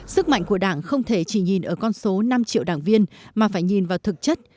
sức mạnh của đảng không thể chỉ nhìn ở con số năm triệu đảng viên mà phải nhìn vào thực chất